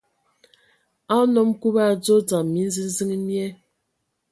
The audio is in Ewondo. A nnom Kub a adzo dzam minziziŋ mie,